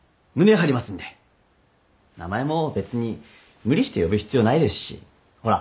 名前も別に無理して呼ぶ必要ないですしほら